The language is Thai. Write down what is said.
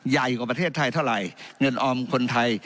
ใหญ่กว่าประเทศไทยเท่าไหร่เงินออมคนไทย